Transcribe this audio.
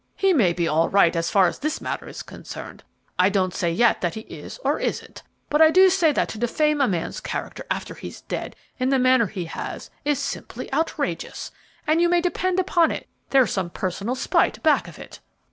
"He may be all right so far as this matter is concerned; I don't say yet that he is or isn't; but I do say that to defame a man's character after he's dead, in the manner he has, is simply outrageous, and, you may depend upon it, there's some personal spite back of it."